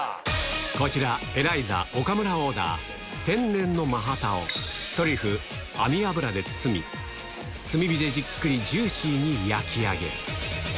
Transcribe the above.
こちら、エライザ、岡村オーダー、天然のマハタを、トリュフ、網脂で包み、炭火でじっくりジューシーに焼き上げる。